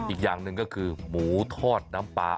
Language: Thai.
อีกอย่างหนึ่งก็คือหมูทอดน้ำปลา